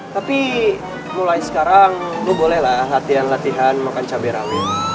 tapi mulai sekarang gue bolehlah latihan latihan makan cabai rawit